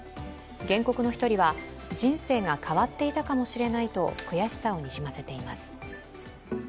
原告の１人は、人生が変わっていたかもしれないと悔しさをにじませています。